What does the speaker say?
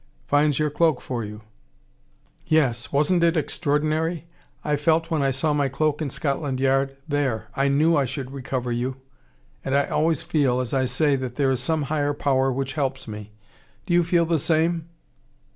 "Finds your cloak for you." "Yes. Wasn't it extraordinary? I felt when I saw my cloak in Scotland Yard: There, I KNEW I should recover you. And I always feel, as I say, that there is some higher power which helps me. Do you feel the same?"